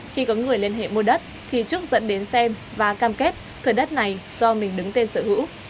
khi có người liên hệ mua đất thì trúc dẫn đến xem và cam kết thừa đất này do mình đứng tên sở hữu